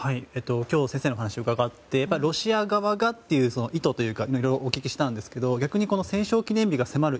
今日先生のお話伺ってロシア側がという意図とお聞きしたんですが逆に戦勝記念日が迫る